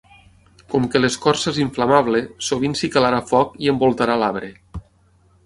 Com que l'escorça és inflamable, sovint s'hi calarà foc i envoltarà l'arbre.